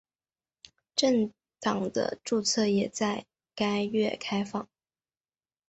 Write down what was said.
政党的注册也在该月开放。